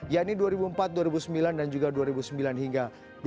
yakni dua ribu empat dua ribu sembilan dan juga dua ribu sembilan hingga dua ribu dua puluh